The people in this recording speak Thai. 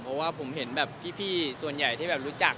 เพราะว่าผมเห็นแบบพี่ส่วนใหญ่ที่แบบรู้จัก